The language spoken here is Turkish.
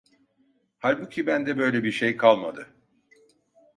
Halbuki bende böyle bir şey kalmadı.